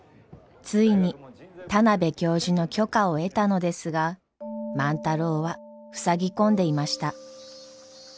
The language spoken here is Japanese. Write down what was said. ついに田邊教授の許可を得たのですが万太郎はふさぎ込んでいました。